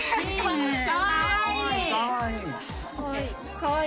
かわいい。